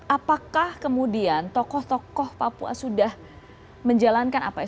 apakah kemudian tokoh tokoh papua sudah menjalankan apa ya